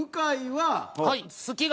はい。